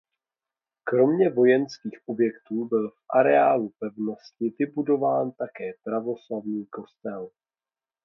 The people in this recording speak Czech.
Kromě vojenských objektů byl v areálu pevnosti vybudován také pravoslavný kostel.